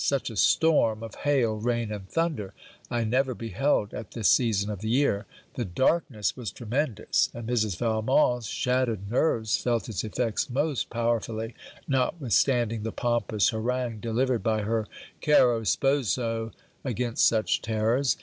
Such a storm of hail, rain, and thunder, I never beheld at this season of the year. The darkness was tremendous, and Mrs. Valmont's shattered nerves felt its effects most powerfully, notwithstanding the pompous harangue delivered by her caro sposo against such terrors.